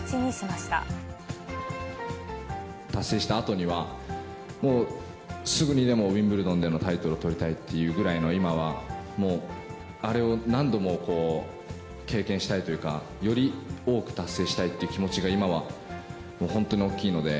達成したあとには、もうすぐにでもウィンブルドンでのタイトルをとりたいっていうぐらいの、今はもう、あれを何度もこう、経験したいというか、より多く達成したいって気持ちが今は本当に大きいので。